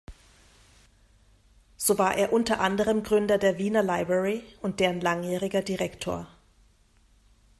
So war er unter anderem Gründer der Wiener Library und deren langjähriger Direktor.